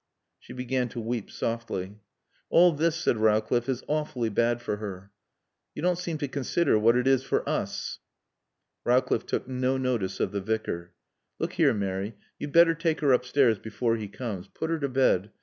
She began to weep softly. "All this," said Rowcliffe, "is awfully bad for her." "You don't seem to consider what it is for us." Rowcliffe took no notice of the Vicar. "Look here, Mary you'd better take her upstairs before he comes. Put her to bed.